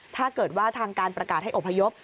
ถ้าเกิดว่าทางการประกาศให้อบพยพ